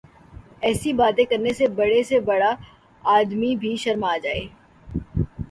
ایسی باتیں کرنے سے بڑے سے بڑا آدمی بھی شرما جائے۔